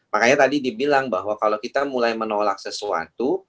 makanya tadi dibilang bahwa kalau kita mulai menolak sesuatu